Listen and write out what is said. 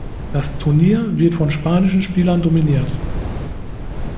Das Turnier wird von spanischen Spielern dominiert.